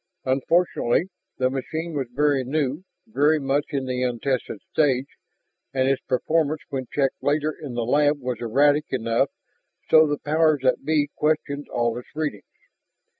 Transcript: Unfortunately, the machine was very new, very much in the untested stage, and its performance when checked later in the lab was erratic enough so the powers that be questioned all its readings.